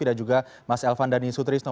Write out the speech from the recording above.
juga mas elvan dhani sutrisno